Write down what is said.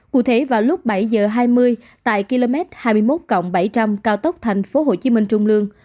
cụ thể vào lúc bảy giờ hai mươi tại km hai mươi một bảy trăm linh cao tốc thành phố hồ chí minh trung lương